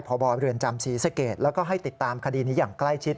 เพราบรรณจำศรีษะเกตแล้วให้ติดตามคดีอย่างใกล้ชิด